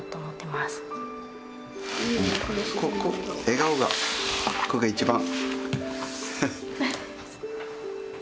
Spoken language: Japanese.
笑顔がこれが一番。